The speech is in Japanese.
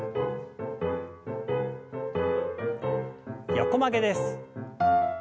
横曲げです。